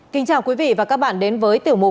kính chào quý vị và các bạn đến với tết vừa qua